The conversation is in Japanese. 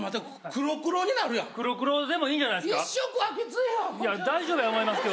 黒、黒でもいいんじゃないですか。